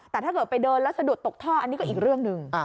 แต่ถ้าเกิดไปเดินแล้วสะดุดตกท่ออันนี้ก็อีกเรื่องหนึ่ง